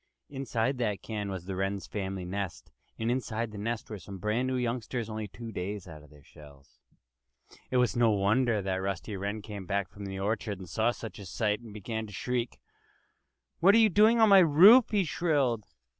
Inside that can was the Wren family's nest. And inside the nest were some brand new youngsters, only two days out of their shells. It was no wonder that when Rusty Wren came hack from the orchard and saw such a sight he began to shriek. "What are you doing on my roof?" he shrilled.